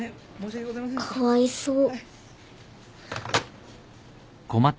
かわいそう。